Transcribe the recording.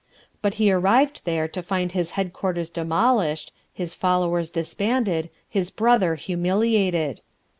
But he arrived there to find his headquarters demolished, his followers disbanded, his brother humiliated.